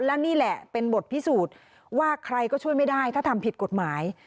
และนี่แหละเป็นบทพิสูจน์ว่าใครก็ช่วยไม่ได้ถ้าทำผิดกฎหมาย